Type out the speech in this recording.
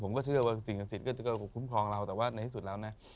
เชื่อว่าสิ่งศักดิ์สิทธิ์ก็จะคุ้มครองเราแต่ว่าในที่สุดแล้วนะ